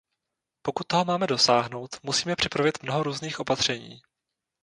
Pokud toho máme dosáhnout, musíme připravit mnoho různých opatření.